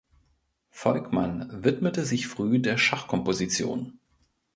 Volkmann widmete sich früh der Schachkomposition.